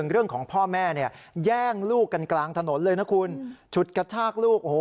๑เรื่องของพ่อแม่แย่งลูกกลางกลางถนนชุดกระทากลูก